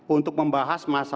untuk membahas masalah